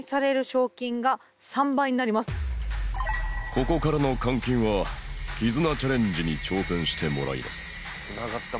ここからの換金はキズナチャレンジに挑戦してもらいます